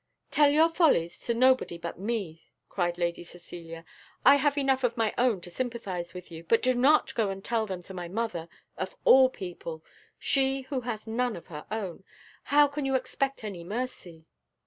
"Tell your follies to nobody but me," cried Lady Cecilia. "I have enough of my own to sympathise with you, but do not go and tell them to my mother, of all people; she, who has none of her own, how can you expect any mercy?"